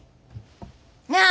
なあ！